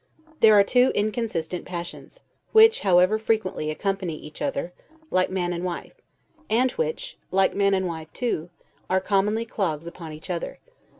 There are two inconsistent passions, which, however, frequently accompany each other, like man and wife; and which, like man and wife too, are commonly clogs upon each other.